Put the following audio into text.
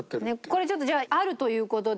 これちょっとじゃああるという事で。